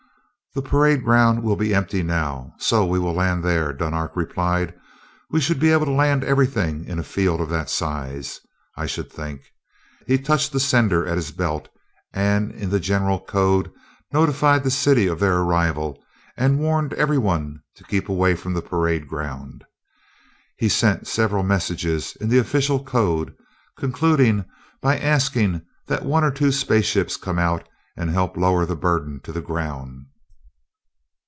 "The parade ground will be empty now, so we will land there," Dunark replied. "We should be able to land everything in a field of that size, I should think." He touched the sender at his belt, and in the general code notified the city of their arrival and warned everyone to keep away from the parade ground. He then sent several messages in the official code, concluding by asking that one or two space ships come out and help lower the burden to the ground.